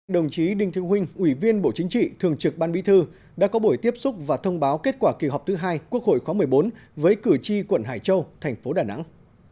đồng chí đinh thị huynh ủy viên bộ chính trị thường trực ban bí thư đã có buổi tiếp xúc và thông báo kết quả kỳ họp thứ hai quốc hội khóa một mươi bốn với cử tri quận hải châu thành phố đà nẵng